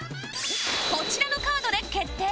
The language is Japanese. こちらのカードで決定